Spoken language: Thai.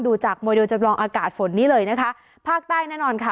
ดูจากโมเดลจำลองอากาศฝนนี้เลยนะคะภาคใต้แน่นอนค่ะ